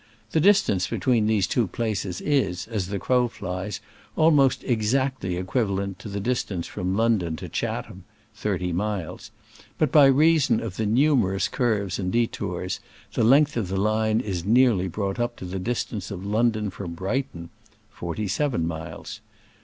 The distance between these two places is, as the crow flies, almost exactly equivalent to the distance from London to Chat ham (30 miles), but by reason of the numerous curves and detours the length of the line is nearly brought up to the distance of London from Brighton (47 miles).